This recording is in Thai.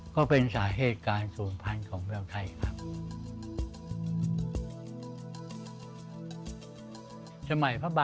ก็เป็นสาเหตุการณ์สวมพันธ์ของแมวไทยครับ